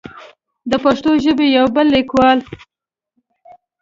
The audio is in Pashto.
د پښتو ژبې يو بل ليکوال